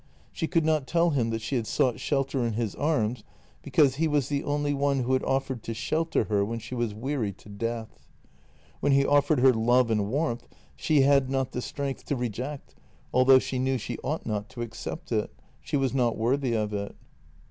She could not tell him that she had sought shelter in his amis because he was the only one who had offered to shelter her when she was weary to death. When he offered her love and warmth she had not the strength to reject, although she knew she ought not to accept it — she was not worthy of it.